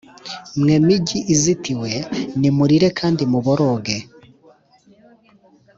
Mwe migi izitiwe, nimurire kandi muboroge !